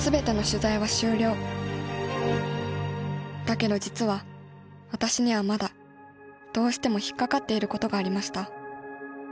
だけど実は私にはまだどうしても引っ掛かっていることがありました。